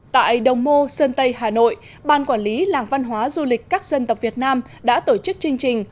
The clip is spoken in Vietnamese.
tại đồng mô sơn tây hà nội ban quản lý làng văn hóa du lịch các dân tộc việt nam đã tổ chức chương trình